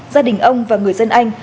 gia đình ông và người dân anh